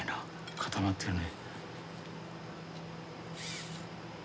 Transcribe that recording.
固まってるね。